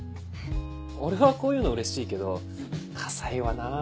俺はこういうのうれしいけど河西はな。